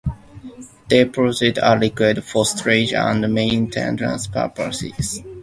Depots are required for storage and maintenance purposes.